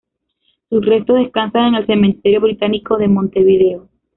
Sus restos descansan en el Cementerio Británico de Montevideo.